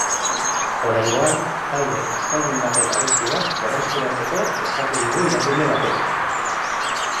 Oraingoan, talde euskaldun baten abesti bat berreskuratzeko eskatu digu irakurle batek.